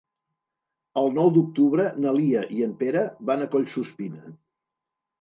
El nou d'octubre na Lia i en Pere van a Collsuspina.